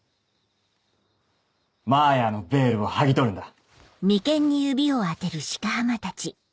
マーヤーのヴェールを剥ぎ取るんだ。